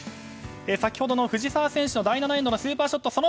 先ほどの藤澤選手の第７エンドのスーパーショット。